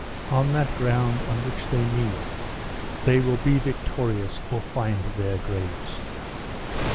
On that ground on which they kneel, they will be victorious or find their graves."